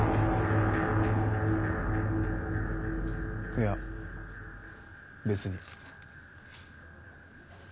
いや別に。